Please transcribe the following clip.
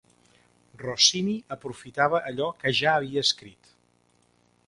Rossini aprofitava allò que ja havia escrit.